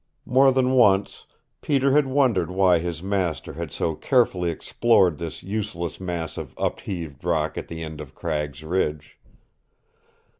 More than once Peter had wondered why his master had so carefully explored this useless mass of upheaved rock at the end of Cragg's Ridge.